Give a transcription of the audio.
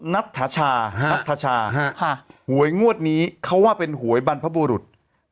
นัทธานัทชาหวยงวดนี้เขาว่าเป็นหวยบรรพบุรุษ